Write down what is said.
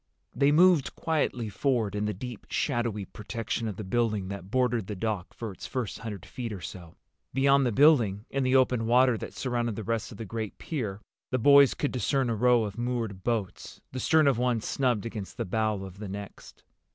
They moved quietly forward, in the deep shadowy protection of the building that bordered the dock for its first hundred feet or so. Beyond the building, in the open water that surrounded the rest of the great pier, the boys could discern a row of moored boats, the stern of one snubbed against the bow of the next.